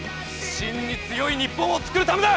真に強い日本を作るためだ！